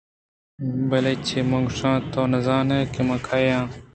بلئے چے بہ گوٛشاں تو نہ زانئے کہ من کئے آں